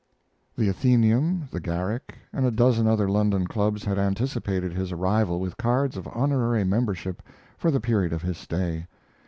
The Athenaeum, the Garrick, and a dozen other London clubs had anticipated his arrival with cards of honorary membership for the period of his stay.